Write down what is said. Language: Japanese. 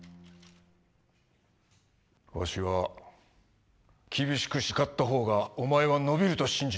ワシは厳しく叱ったほうがお前は伸びると信じていた。